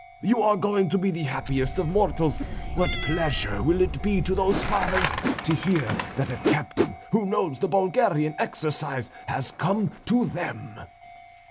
You are going to be the happiest of mortals. What pleasure will it be to those Fathers to hear that a captain who knows the Bulgarian exercise has come to them!"